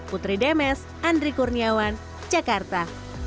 putri demes andri kurniawan jakarta